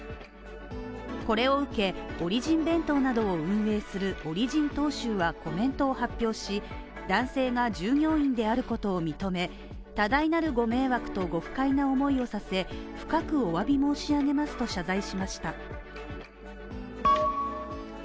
これを受け、オリジン弁当などを運営するオリジン東秀はコメントを発表し、男性が従業員であることを認め、多大なるご迷惑とご不快な思いをさせ、深くお詫び申し上げますと謝罪しました。